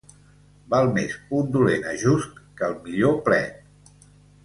Val més un dolent ajust que el millor plet.